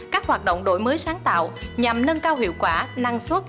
các hoạt động đổi mới sáng tạo nhằm nâng cao hiệu quả năng suất